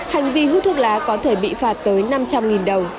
hành vi hút thuốc lá có thể bị phạt tới năm trăm linh đồng